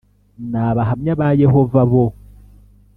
n Abahamya ba Yehova bo